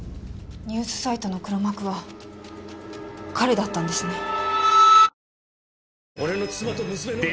ニュースサイトの黒幕は彼だったんですね。